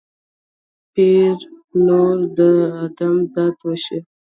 پېر پلور د ادم ذات وشي